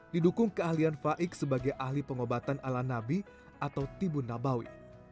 didukung keahlian faik sebagai ahli pengobatan ala nabi atau tibun nabawi